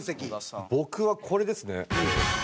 僕はこれですね。